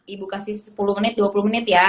ibu kasih sepuluh menit dua puluh menit ya